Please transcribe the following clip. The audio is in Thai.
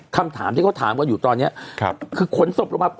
คำถามที่เขาถามกันอยู่ตอนนี้คือขนศพลงมา